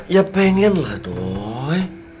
ya pengenlah doi